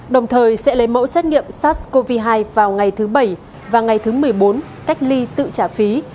đồng thời sẽ lấy mẫu xét nghiệm sars cov hai vào ngày thứ bảy và ngày thứ một mươi bốn cách ly tự trả phí